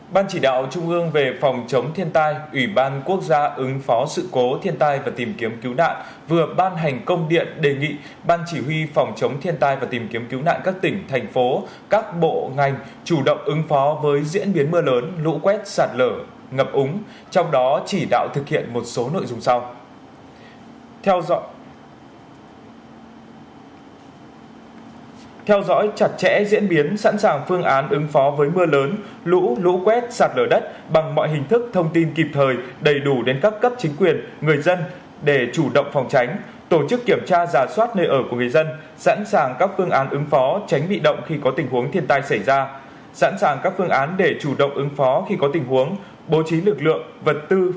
ban chỉ đạo trung ương về phòng chống thiên tai ủy ban quốc gia ứng phó sự cố thiên tai và tìm kiếm cứu nạn vừa ban hành công điện đề nghị ban chỉ huy phòng chống thiên tai và tìm kiếm cứu nạn các tỉnh thành phố các bộ ngành chủ động ứng phó với diễn biến mưa lớn lũ quét sạt lở ngập úng trong đó chỉ đạo thực hiện một số nội dung sau